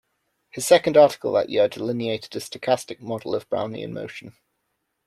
His second article that year delineated a stochastic model of Brownian motion.